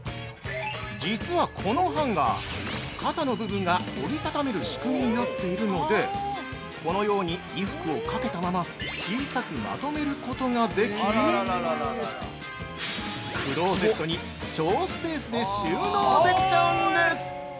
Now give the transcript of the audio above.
◆実は、このハンガー肩の部分が折り畳める仕組みになっているのでこのように、衣服をかけたまま小さくまとめることができ、クローゼットに省スペースで収納できちゃうんです！